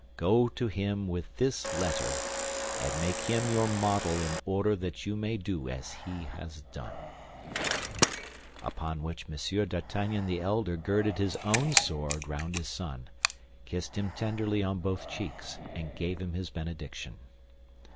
Go to him with this letter, and make him your model in order that you may do as he has done." Upon which M. d'Artagnan the elder girded his own sword round his son, kissed him tenderly on both cheeks, and gave him his benediction.